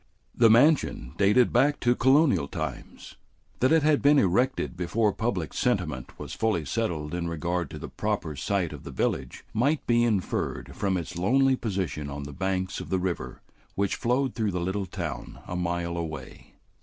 The mansion dated back to colonial times. That it had been erected before public sentiment was fully settled in regard to the proper site of the village might be inferred from its lonely position on the banks of the river which flowed through the little town a mile away.